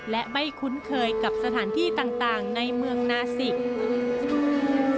และไม่คุ้นเคยกับสถานที่ต่างในเมืองนาสิก